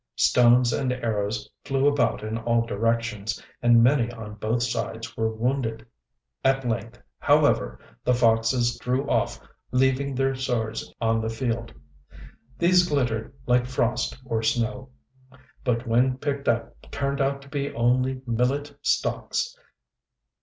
Stones and arrows flew about in all directions, and many on both sides were wounded; at length, however, the foxes drew off leaving their swords on the field. These glittered like frost or snow, but when picked up turned out to be only millet stalks.